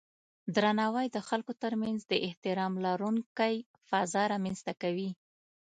درناوی د خلکو ترمنځ د احترام لرونکی فضا رامنځته کوي.